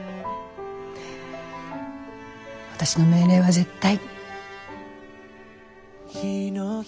私の命令は絶対。